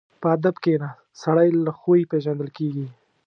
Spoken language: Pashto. په ادب کښېنه، سړی له خوی پېژندل کېږي.